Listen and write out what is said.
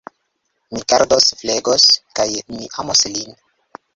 Mi gardos, flegos kaj mi amos lin.